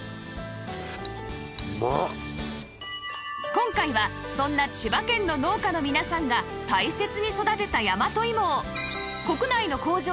今回はそんな千葉県の農家の皆さんが大切に育てた大和芋を